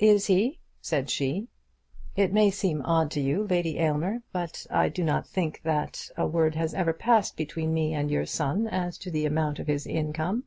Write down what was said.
"Is he?" said she. "It may seem odd to you, Lady Aylmer, but I do not think that a word has ever passed between me and your son as to the amount of his income."